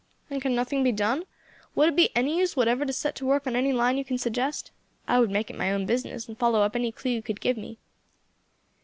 "And can nothing be done? Would it be any use whatever to set to work on any line you can suggest? I would make it my own business, and follow up any clue you could give me."